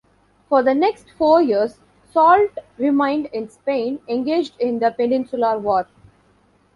For the next four years Soult remained in Spain engaged in the Peninsular War.